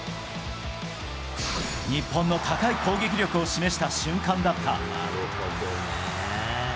日本の高い攻撃力を示した瞬間だった。